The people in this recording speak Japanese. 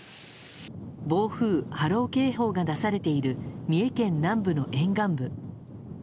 暴風波浪警報が出されている三重県南部の沿岸部。